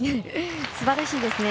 すばらしいですね。